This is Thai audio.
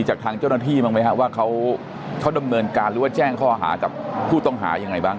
จากทางเจ้าหน้าที่บ้างไหมครับว่าเขาดำเนินการหรือว่าแจ้งข้อหากับผู้ต้องหายังไงบ้าง